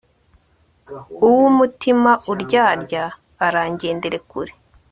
uw'umutima uryarya arangendere kure;